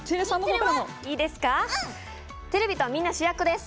テレビとはみんな主役です。